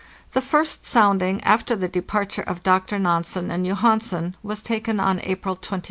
The first sounding after the departure of Dr. Nansen and Jo hansen was taken on April 23d.